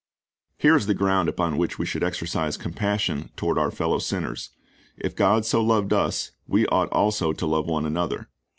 "^ Here is the ground upon which we should exercise compassion toward our fellow sinners. "If God so loved us, we ought also to love one another."